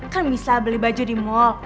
kan bisa beli baju di mall